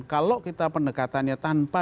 kalau kita pendekatannya tanpa